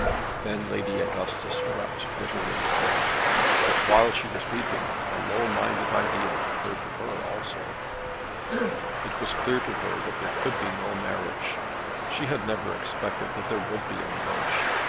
Then Lady Augustus wept bitterly; but while she was weeping, a low minded idea occurred to her also. It was clear to her that there could be no marriage. She had never expected that there would be a marriage.